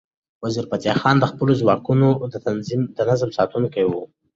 وزیرفتح خان د خپلو ځواکونو د نظم ساتونکی و.